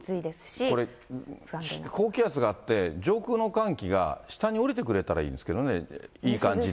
高気圧があって、上空の寒気が下に下りてくれたらいいんですけどね、いい感じで。